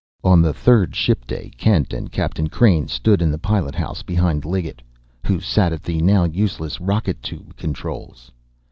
On the third ship day Kent and Captain Crain stood in the pilot house behind Liggett, who sat at the now useless rocket tube controls.